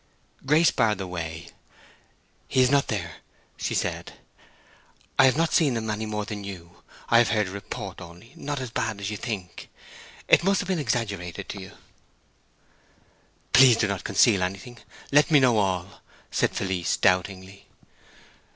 Grace barred the way. "He is not there," she said. "I have not seen him any more than you. I have heard a report only—not so bad as you think. It must have been exaggerated to you." "Please do not conceal anything—let me know all!" said Felice, doubtingly.